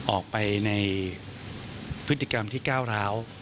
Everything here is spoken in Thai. ออกไปในพฤติกรรมที่ก้าวร้าว